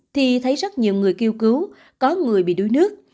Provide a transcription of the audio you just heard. thì thấy rất nhiều người kêu cứu có người bị đuối nước